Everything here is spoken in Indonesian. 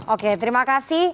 oke terima kasih